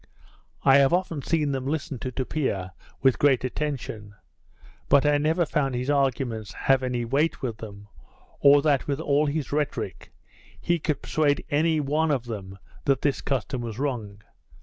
I have often seen them listen to Tupia with great attention; but I never found his arguments have any weight with them, or that with all his rhetoric, he could persuade any one of them that this custom was wrong.